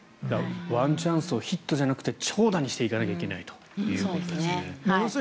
ワンチャンスをヒットじゃなくて長打にしていかないといけないということですね。